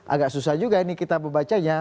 agak susah juga ini kita membacanya